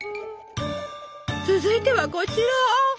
続いてはこちら！